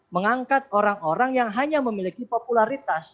mengangkat orang orang yang hanya memiliki popularitas